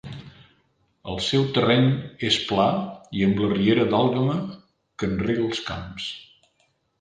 El seu terreny és pla i amb la riera d'Àlguema que en rega els camps.